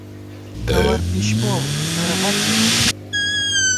گوَرپِشپو/ کرغَچی